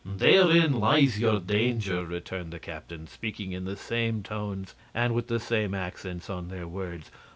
"Therein lies your danger," returned the captains, speaking in the same tones and with the same accents on their words.